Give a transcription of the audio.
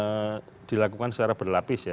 karena dilakukan secara berlapis ya